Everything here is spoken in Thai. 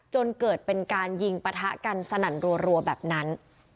จนเกิดเป็นการยิงปะทะกันสนั่นรัวแบบนั้น